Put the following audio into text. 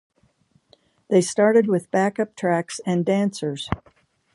They started with backup tracks and dancers.